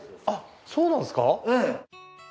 あっそうなんですか？